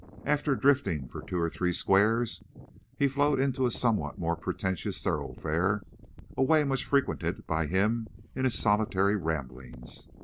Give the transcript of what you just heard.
After drifting for two or three squares, he flowed into a somewhat more pretentious thoroughfare, a way much frequented by him in his solitary ramblings.